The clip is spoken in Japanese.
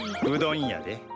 うどんやで？